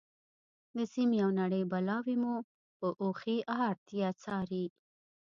د سیمې او نړۍ بلاوې مو په اوښیártیا څاري.